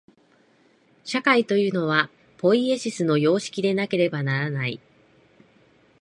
社会というのは、ポイエシスの様式でなければならない。